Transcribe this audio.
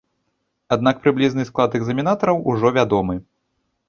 Аднак прыблізны склад экзаменатараў ужо вядомы.